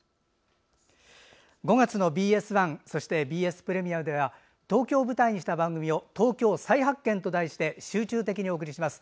５月のＢＳ１ＢＳプレミアムでは東京を舞台にした番組を「＃東京再発見」と題して集中的にお送りします。